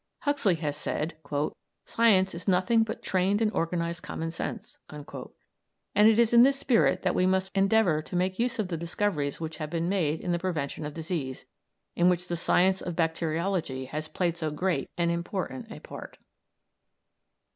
Huxley has said "science is nothing but trained and organised common sense," and it is in this spirit that we must endeavour to make use of the discoveries which have been made in the prevention of disease, in which the science of bacteriology has played so great and important a part.